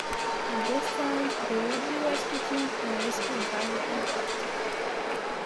At this time, the would-be rescue team were rescued by the helicopter.